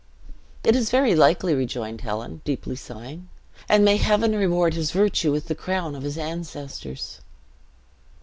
"It is very likely," rejoined Helen, deeply sighing; "and may Heaven reward his virtue with the crown of his ancestors."